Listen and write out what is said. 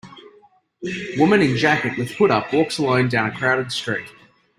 Woman in Jacket with hood up walks alone down crowded street.